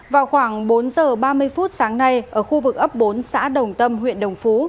vào khoảng bốn giờ ba mươi phút sáng nay ở khu vực ấp bốn xã đồng tâm huyện đồng phú